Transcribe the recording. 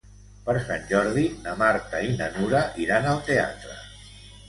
Per Sant Jordi na Marta i na Nura iran al teatre.